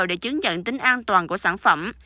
để chứng nhận tính an toàn của sản phẩm